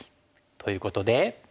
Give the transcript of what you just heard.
ということで。